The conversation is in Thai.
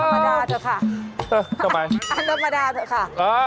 ธรรมดาเถอะค่ะทำไมอันธรรมดาเถอะค่ะ